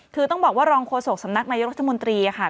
คือต้องบอกว่ารองโฆษกสำนักนายกรัฐมนตรีค่ะ